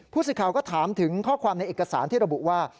ผู้สื่อข่าวก็ถามถึงข้อความในเอกสารที่ระบุว่า